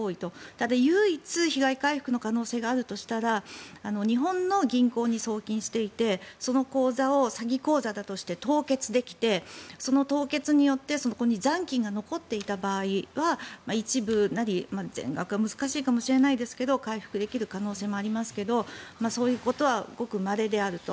ただ、唯一被害回復の可能性があるとしたら日本の銀行に送金していてその口座を詐欺口座だとして凍結できてその凍結によってそこに残金が残っていた場合は一部なり全額は難しいかもしれないですが回復できる可能性もありますけどそういうことはごくまれであると。